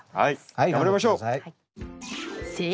頑張りましょう。